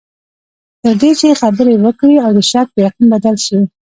تر دې چې خبرې وکړې او د شک په یقین بدل شي.